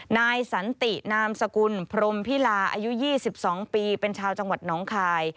นายสันตินามสกุลพรมพิลาอายุ๒๒ปีเป็นชาวจังหวัดน้องคาย